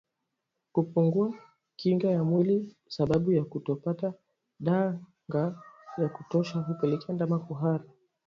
Kupungua kinga ya mwili sababu ya kutopata danga ya kutosha hupelekea ndama kuhara